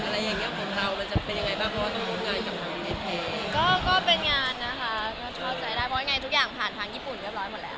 ก็เป็นงานนะคะเพราะถูกใจได้เพราะยังไงทุกอย่างผ่านทางญี่ปุ่นก็เรียบร้อยหมดแล้วค่ะ